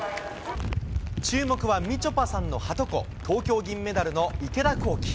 注目はみちょぱさんのはとこ、東京銀メダルの池田向希。